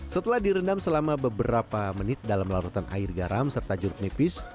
setelah direndam selama beberapa menit dalam larutan air garam serta jeruk nipis